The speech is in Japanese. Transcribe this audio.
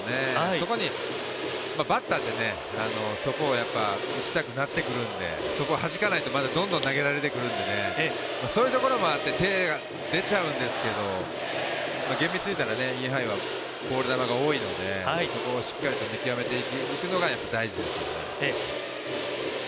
そこに、バッターってそこを打ちたくなってくるんでそこをはじかないと、どんどん投げられてくるんで、そういうところもあって手が出ちゃうんですけど、厳密に言ったらインハイはボール球が多いのでそこをしっかりと見極めていくのがやっぱり大事ですよね。